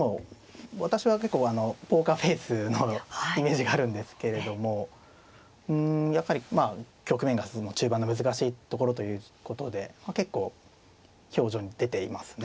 私は結構ポーカーフェースのイメージがあるんですけれどもうんやはりまあ局面が進む中盤の難しいところということで結構表情に出ていますね。